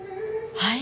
はい？